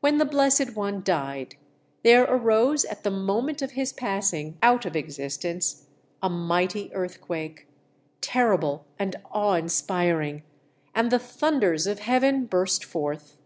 When the Blessed One died there arose, at the moment of his passing out of existence, a mighty earthquake, terrible and awe inspiring: and the thunders of heaven burst forth.